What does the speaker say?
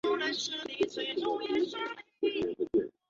春末及夏季的巴里常有雷暴。